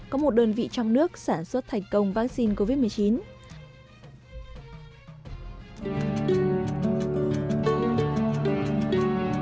có một đơn vị trong nước sản xuất thành công vaccine covid một mươi chín